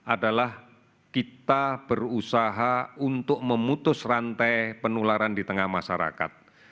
adalah kita berusaha untuk memutus rantai penularan di tengah masyarakat